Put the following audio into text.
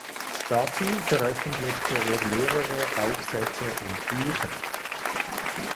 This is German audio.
Dazu veröffentlichte er mehrere Aufsätze und Bücher.